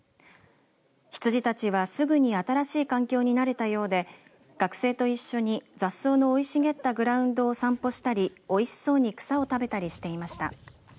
ヒツジたちはすぐに新しい環境に慣れたようで学生と一緒に雑草の生い茂ったグラウンドを散歩したりおいしそうに草を食べたりしていました。